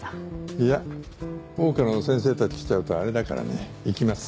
いや桜花の先生たち来ちゃうとあれだからね行きます。